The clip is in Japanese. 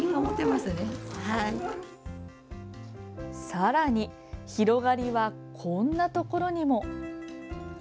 さらに広がりはこんなところにも。